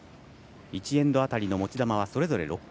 １エンド辺りの持ち球はそれぞれ６球。